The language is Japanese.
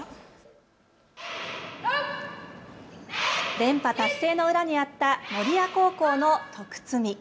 連覇達成の裏にあった守谷高校の徳積み。